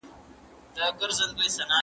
چي ستا گېډي او بچیو ته په کار وي